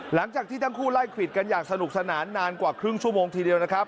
หลังจากที่ทั้งคู่ไล่ควิดกันอย่างสนุกสนานนานกว่าครึ่งชั่วโมงทีเดียวนะครับ